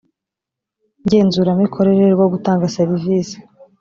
ngenzuramikorere rwo gutanga serivisi